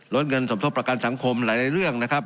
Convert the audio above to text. ลดเงินสมทบประกันสังคมหลายเรื่องนะครับ